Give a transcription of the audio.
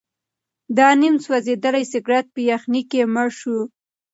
دا نیم سوځېدلی سګرټ په یخنۍ کې مړ شو.